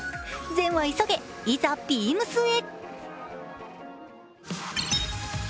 善は急げ、いざ、ＢＥＡＭＳへ！